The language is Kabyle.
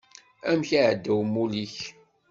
Amek iɛedda umulli-k?